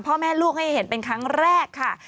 พ่อแม่ลูกให้เห็นเป็นครั้งแรกค่ะ